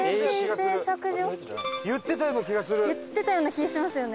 言ってたような気しますよね。